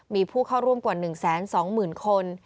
มีผู้เข้าร่วมกว่า๑๒๐๐๐คน